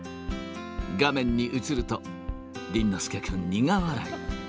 画面に映ると、倫之亮君、苦笑い。